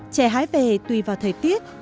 trà hái về tùy vào thời tiết